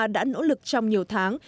đã nỗ lực trong nhiều tháng